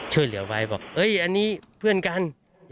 ช่วยเหลือไว้บอกเอ้ยอันนี้เพื่อนกัน